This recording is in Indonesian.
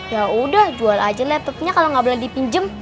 ya udah jual aja laptopnya kalo gak boleh dipinjem